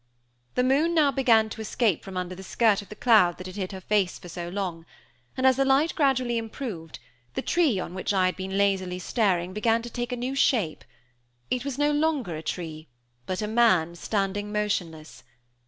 The moon now began to escape from under the skirt of the cloud that had hid her face for so long; and, as the light gradually improved, the tree on which I had been lazily staring began to take a new shape. It was no longer a tree, but a man standing motionless.